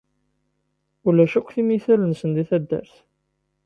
Ulac akk timital-nsen di taddart.